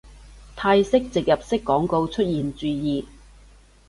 泰式植入式廣告出現注意